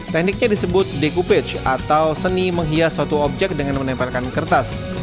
tekniknya disebut decopage atau seni menghias suatu objek dengan menempelkan kertas